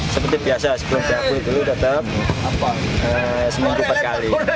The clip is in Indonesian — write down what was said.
seperti biasa sebelum diambil dulu tetap seminggu empat kali